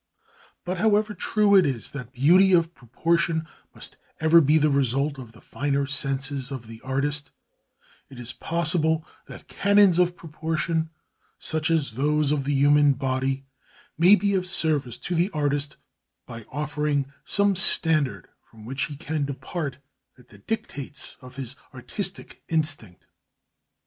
But however true it is that beauty of proportion must ever be the result of the finer senses of the artist, it is possible that canons of proportion, such as those of the human body, may be of service to the artist by offering some standard from which he can depart at the dictates of his artistic instinct.